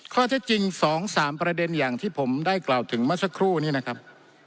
ข้อเท็จจริง๒๓ประเด็นอย่างที่ผมได้กล่าวถึงเมื่อสักครู่นี้นะครับ